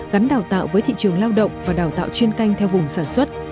gắn đào tạo với thị trường lao động và đào tạo chuyên canh theo vùng sản xuất